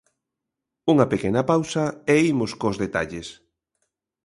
Unha pequena pausa e imos cos detalles.